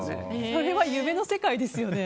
それは夢の世界ですよね。